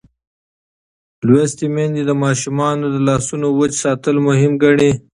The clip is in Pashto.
لوستې میندې د ماشومانو د لاسونو وچ ساتل مهم ګڼي.